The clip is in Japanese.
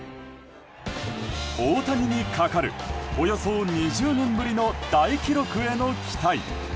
大谷にかかるおよそ２０年ぶりの大記録への期待。